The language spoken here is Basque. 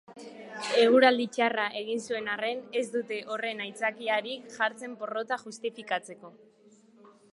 Eguraldi txarra egin zuen arren, ez dute horren aitzakiarik jartzen porrota justifikatzeko.